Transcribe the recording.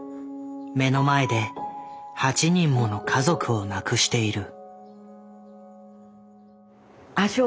目の前で８人もの家族を亡くしている。